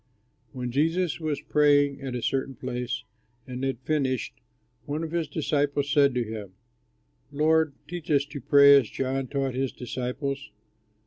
When Jesus was praying at a certain place and had finished, one of his disciples said to him, "Lord, teach us to pray as John taught his disciples."